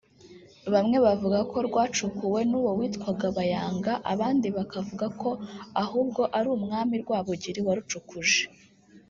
Bamwe bavuga ko rwacukuwe n’uwo witwaga "Bayanga" abandi bakavuga ko ahubwo ari umwami Rwabugiri warucukuje